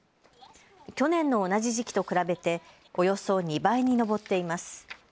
去年の同じ時期と比べておよそ２倍に上っています。